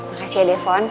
makasih ya defon